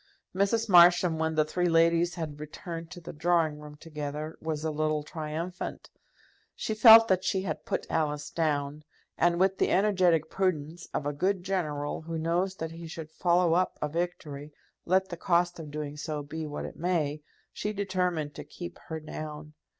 Mrs. Marsham, when the three ladies had returned to the drawing room together, was a little triumphant. She felt that she had put Alice down; and with the energetic prudence of a good general who knows that he should follow up a victory, let the cost of doing so be what it may, she determined to keep her down.